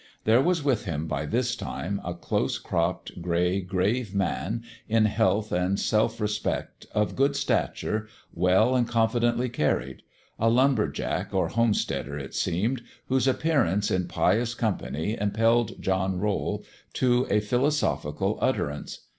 There was with him, by this time, a close cropped, gray, grave man, in health and self respect, of good stature, well and confidently car ried : a lumber jack or homesteader, it seemed, whose appearance in pious company impelled John Rowl to a philosophical utterance.